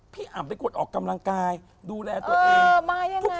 พี่อ่ำเป็นคนออกกามร่างกายดูแลตัวเออมายังไง